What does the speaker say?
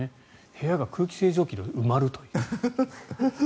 部屋が空気清浄機で埋まると。